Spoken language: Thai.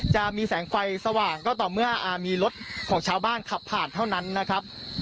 จะมีแสงไฟสว่างก็ต่อเมื่อมีรถของชาวบ้านขับผ่านเท่านั้นนะครับ